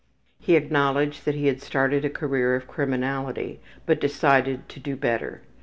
He acknowledged that he had started on a career of criminality, but decided to do better.